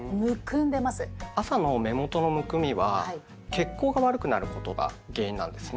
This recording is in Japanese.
朝の目元のむくみは血行が悪くなることが原因なんですね。